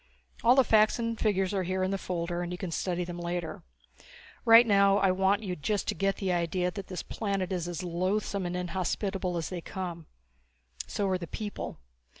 All the facts and figures are here in the folder and you can study them later. Right now I want you just to get the idea that this planet is as loathsome and inhospitable as they come. So are the people.